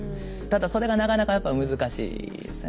ただそれがなかなかやっぱり難しいですよね。